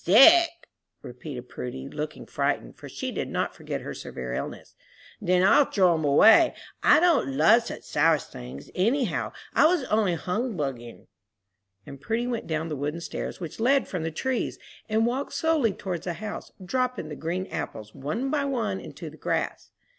"Sick?" repeated Prudy, looking frightened, for she did not forget her severe illness; "then I'll throw 'em away. I don't love such sour things anyhow. I was only hung buggin'." And Prudy went down the wooden stairs which led from the trees, and walked slowly towards the house, dropping the green apples one by one into the grass.